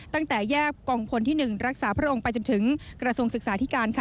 ตั้งแต่แยกกองพลที่๑รักษาพระองค์ไปจนถึงกระทรวงศึกษาธิการ